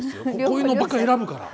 こういうのばっか選ぶから。